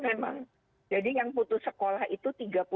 memang jadi yang putus sekolah itu tiga puluh